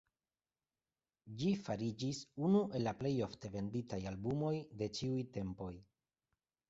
Ĝi fariĝis unu el la plej ofte venditaj albumoj de ĉiuj tempoj.